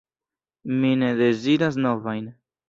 Mi ne deziras novajn.